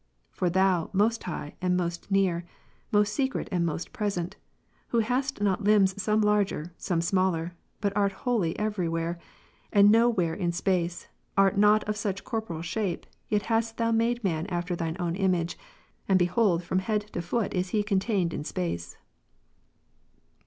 For Thou, Most High, and most near ; most secret, and most present ; Who hast not limbs some larger, some smaller, but art wholly every where, and no where in space, art not of such corpo real shape, yet hast Thou made man after Thine own image ; and behold, from head to foot is he contained in space.